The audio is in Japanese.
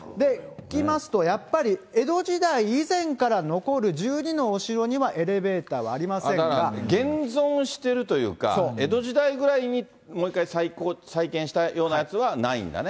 聞きますと、江戸時代以前から残る１２のお城にはエレベータ現存してるというか、江戸時代ぐらいにもう１回再建したようなやつはないんだね。